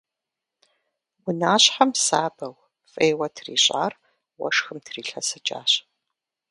Унащхьэм сабэу, фӀейуэ трищӀар уэшхым трилъэсыкӀащ.